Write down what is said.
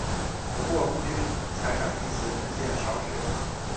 不过固定财产一词日渐少使用了。